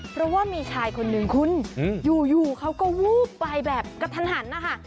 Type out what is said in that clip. เพราะว่ามีชายคนนึงคุณอยู่เขาก็วูบไปแบบกระทันหันนะคะ